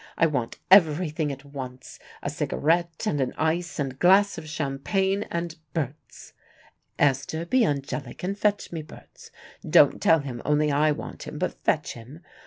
I want everything at once, a cigarette and an ice and a glass of champagne and Berts. Esther, be angelic and fetch me Berts. Don't tell him only I want him, but fetch him.